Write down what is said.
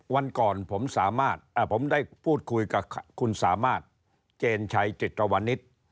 วันก่อนผมสามารถผมได้พูดคุยกับคุณสามารถเจนชัยจิตรวนิษฐ์